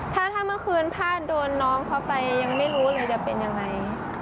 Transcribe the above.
ถ้าเมื่อคืนผ้าโดนน้องเขาไปยังไม่รู้เลยจะเป็นยังไง